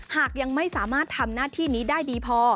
หากยังไม่สามารถทำหน้าที่นี้ได้ดีพอ